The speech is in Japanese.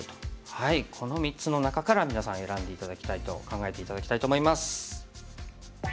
この３つの中から皆さん選んで頂きたいと考えて頂きたいと思います。